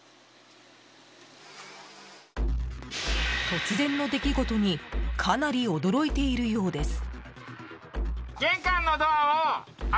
突然の出来事にかなり驚いているようです。